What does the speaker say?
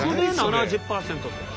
７０％って。